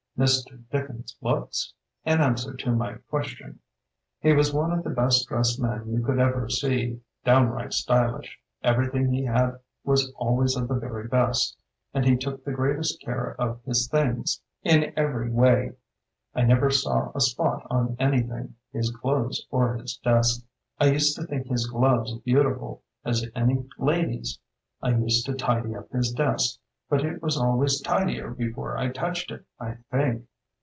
"Mr. Dickens's looks?" (in answer to my question). "He was one of the best dressed men you could ever see, downright stylish. Everything he had was always of the very best, and he took the greatest care of his things in every way. I never saw a spot on any thing, his clothes or his desk. I used to think bis gloves beautiful as any lady's. I used to tidy up his desk; but it was always tidier before I touched it, I think.